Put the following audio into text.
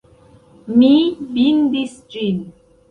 Mi bindis ĝin!